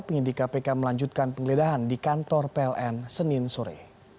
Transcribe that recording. penyidika pk melanjutkan penggeledahan di kantor pln senin sore